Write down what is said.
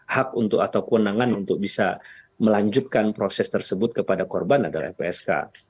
hak untuk atau kewenangan untuk bisa melanjutkan proses tersebut kepada korban adalah lpsk